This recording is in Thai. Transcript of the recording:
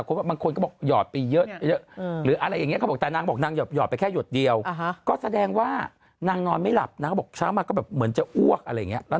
คือมันก็จะเหมือนแฮงไปอะไรอย่างนี้ค่ะถ้าสมมุติจริงแล้ว